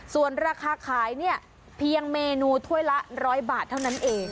ส่วนราคาขายเนี่ยเพียงเมนูถ้วยละ๑๐๐บาทเท่านั้นเอง